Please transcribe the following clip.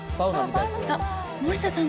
あっ森田さん